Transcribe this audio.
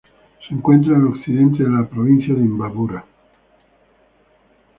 Se encuentra al occidente de provincia de Imbabura.